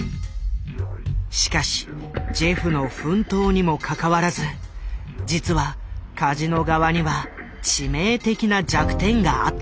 しかしジェフの奮闘にもかかわらず実はカジノ側には致命的な弱点があった。